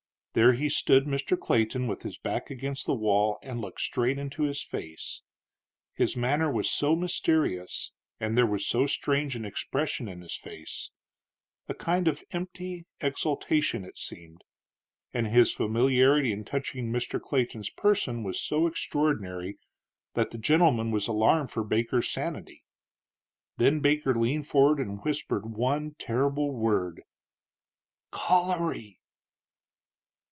There he stood Mr. Clayton with his back against the wall and looked straight into his face. His manner was so mysterious, and there was so strange an expression in his face, a kind of empty exaltation it seemed, and his familiarity in touching Mr. Clayton's person was so extraordinary, that that gentleman was alarmed for Baker's sanity. Then Baker leaned forward and whispered one terrible word, "_Cholery!